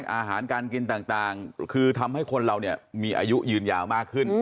อาหารการกินต่างคือทำให้คนเราเนี่ยมีอายุยืนยาวมากขึ้น